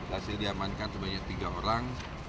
hasil diamankan sebanyak tiga orang